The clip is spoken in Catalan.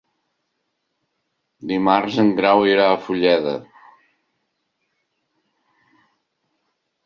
Dimarts en Grau irà a Fulleda.